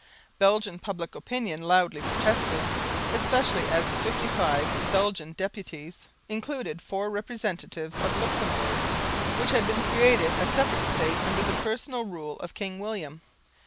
Belgian public opinion loudly protested, especially as the 55 Belgian deputies included four representatives of Luxemburg, which had been created a separate State under the personal rule of King William.